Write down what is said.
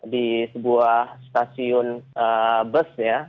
di sebuah stasiun bus ya